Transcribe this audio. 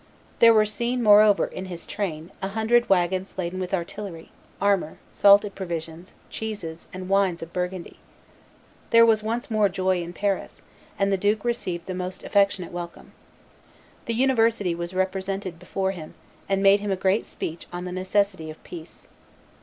There were seen, moreover, in his train, a hundred wagons laden with artillery, armor, salted provisions, cheeses, and wines of Burgundy. There was once more joy in Paris, and the duke received the most affectionate welcome. The university was represented before him, and made him a great speech on the necessity of peace.